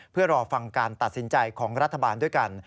เพื่อรอฟังการตัดสินใจของรัฐบาลด้วยกัน